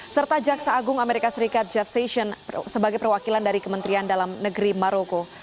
serta jaksa agung amerika serikat jeff session sebagai perwakilan dari kementerian dalam negeri maroko